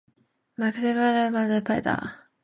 McDonald and M. McDonald as partners.